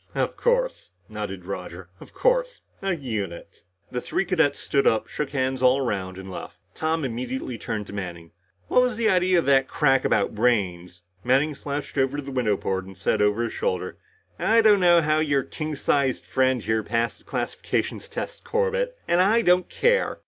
"Of course," nodded Roger. "Of course as a unit." The three cadets stood up, shook hands all around and left. Tom immediately turned to Manning. "What was the idea of that crack about brains?" Manning slouched over to the window port and said over his shoulder, "I don't know how you and your king sized friend here passed the classifications test, Corbett, and I don't care.